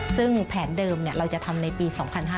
ซึ่งแผนเดิมเราจะทำในปี๒๕๕๙